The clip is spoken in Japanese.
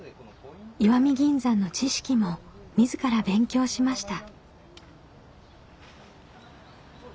石見銀山の知識も自ら勉強しました。